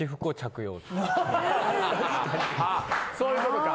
そういうことか。